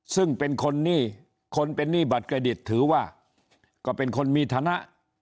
ซึ่งเป็นคนหนี้คนเป็นหนี้บัตรเครดิตถือว่าก็เป็นคนมีฐานะ